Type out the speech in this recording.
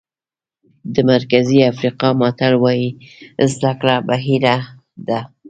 د مرکزي افریقا متل وایي زده کړه بحیره ده.